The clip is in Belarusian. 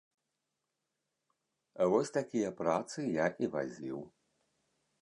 Вось такія працы я і вазіў.